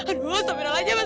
aduh stabil aja mah